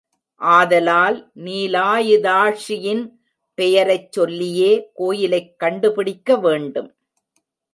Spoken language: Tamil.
ஆதலால் நீலாயதாக்ஷியின் பெயரைச் சொல்லியே கோயிலைக் கண்டுபிடிக்க வேண்டும்.